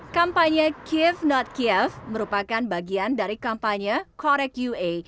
kampanye kiev not kiev merupakan bagian dari kampanye korek ua